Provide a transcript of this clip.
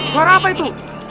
suara apa itu